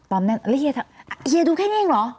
แล้วเฮียดูแค่นี้หรือ